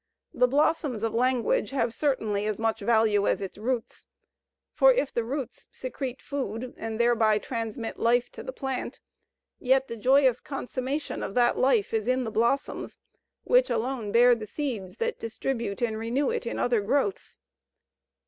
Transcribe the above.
The blossoms of language have certainly as much value as its roots; for if the roots secrete food and thereby transmit life to the plant, yet the joyous consummation of that life is in the blossoms, which alone bear the seeds that distribute and renew it in other growths.